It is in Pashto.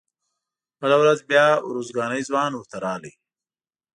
بله ورځ بیا ارزګانی ځوان ورته راغی.